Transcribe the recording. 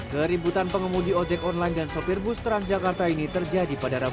keributan pengemudi ojek online dan sopir bus transjakarta ini terjadi pada rabu